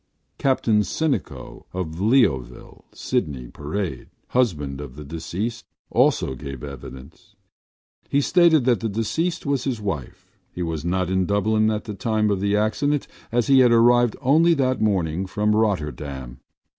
Captain Sinico, of Leoville, Sydney Parade, husband of the deceased, also gave evidence. He stated that the deceased was his wife. He was not in Dublin at the time of the accident as he had arrived only that morning from Rotterdam.